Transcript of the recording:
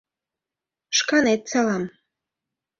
Шканет салам!